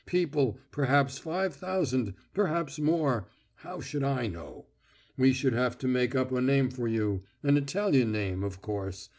People, perhaps five thousand, perhaps more ... how should I know. We should have to make up a name for you an Italian name, of course.